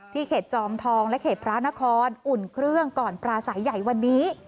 เขตจอมทองและเขตพระนครอุ่นเครื่องก่อนปราศัยใหญ่วันนี้